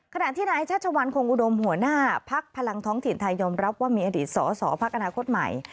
ขณะที่นายชัชวัลคงอุดมหัวหน้าพักพลังท้องถิ่นไทยยอมรับว่ามีอดีตสอสอพักอนาคตใหม่